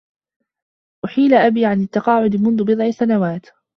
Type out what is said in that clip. أحيل أبي على التّقاعد منذ بضع سنوات.